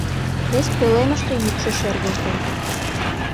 Вес пӧлемыште йӱкшӧ шергылте: